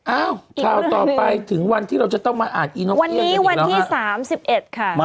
อ้าวข่าวต่อไปถึงวันที่เราจะต้องมาอ่านอีนกวันนี้วันที่๓๑ค่ะ